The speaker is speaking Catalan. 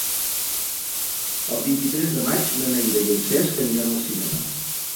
El vint-i-tres de maig na Neida i en Cesc aniran al cinema.